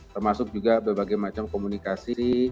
termasuk juga berbagai macam komunikasi